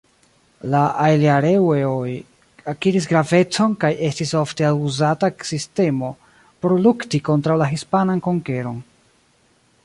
La ajljareŭe-oj akiris gravecon kaj estis ofte-uzata sistemo por lukti kontraŭ la hispanan konkeron.